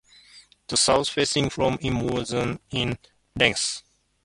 The south-facing front is more than in length.